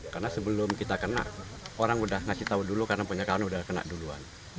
karena sebelum kita kena orang udah ngasih tahu dulu karena penyakit kan udah kena duluan